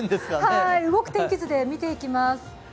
動く天気図で見ていきます。